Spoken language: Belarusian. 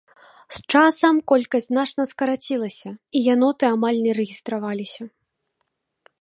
З часам колькасць значна скарацілася і яноты амаль не рэгістраваліся.